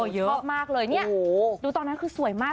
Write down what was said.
เยอะมากเลยดูตอนนั้นคือสวยมาก